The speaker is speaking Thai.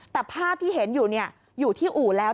แต่ภาพที่เห็นอยู่อยู่ที่อู่แล้ว